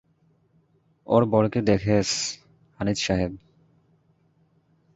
ওর বরকে দেখেছ, আনিস সাহেব?